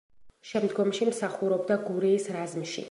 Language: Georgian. შემდგომში მსახურობდა გურიის რაზმში.